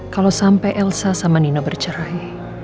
kalau sampai elsa sama nina bercerai